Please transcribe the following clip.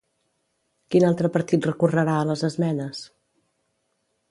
Quin altre partit recorrerà a les esmenes?